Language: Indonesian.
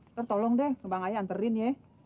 ntar tolong deh ke bang ayah anterin ya